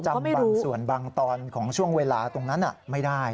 บางส่วนบางตอนของช่วงเวลาตรงนั้นไม่ได้